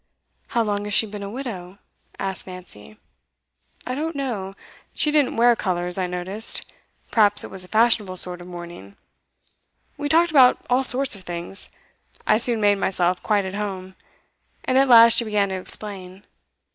'How long has she been a widow?' asked Nancy. 'I don't know. She didn't wear colours, I noticed; perhaps it was a fashionable sort of mourning. We talked about all sorts of things; I soon made myself quite at home. And at last she began to explain.